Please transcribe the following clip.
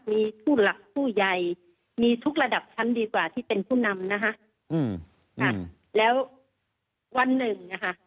มีผู้หลักผู้ใหญ่มีทุกระดับชั้นดีกว่าที่เป็นผู้นำนะคะอืมค่ะแล้ววันหนึ่งนะคะ